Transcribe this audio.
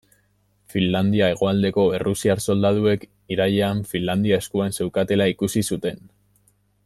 Finlandia hegoaldeko errusiar soldaduek, irailean, Finlandia eskuan zeukatela ikusi zuten.